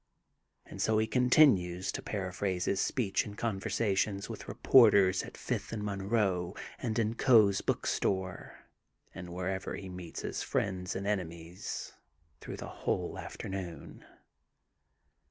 And so he continues to paraphrase his speech in conversations with reporters at Fifth and Monroe and in Coe's Book Store, and wherever he meets his friends and enemies, through the whole after noon.